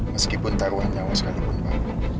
meskipun taruhan nyawa sekalipun pak